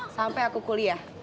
sampai aku kuliah